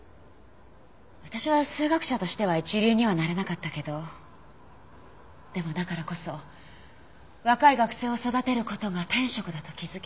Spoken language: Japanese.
私は数学者としては一流にはなれなかったけどでもだからこそ若い学生を育てる事が天職だと気づけた。